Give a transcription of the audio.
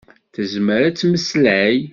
Tezmer ad temmeslay.